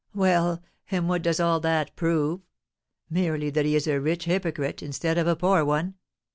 "Well, and what does all that prove? Merely that he is a rich hypocrite, instead of a poor one.